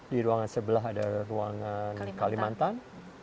di ruangan sebelah ada ruangan kalimantan